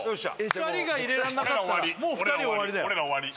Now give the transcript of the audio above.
２人が入れられなかったら俺ら終わり